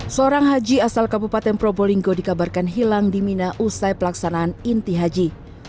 seorang haji asal kabupaten probolinggo dikabarkan hilang di mina usai pelaksanaan inti haji